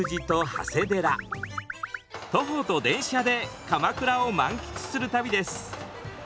徒歩と電車で鎌倉を満喫する旅です。